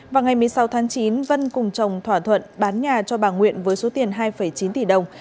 vào ngày một mươi sáu tháng chín vân cùng chồng thỏa thuận bán nhà cho bà nguyễn với số tiền hai chín tỷ đồng